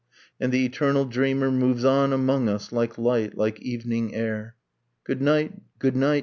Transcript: ... and the eternal dreamer Moves on among us like light, like evening air ... Good night! good night!